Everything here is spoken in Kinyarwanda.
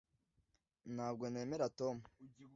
ntabwo nemera tom